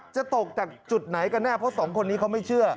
จะตกจากจุดไหนกันแน่เพราะสองคนนี้เขาไม่เชื่อ